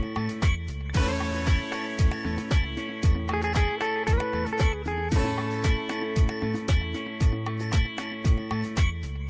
โปรดติดตามตอนต่อไป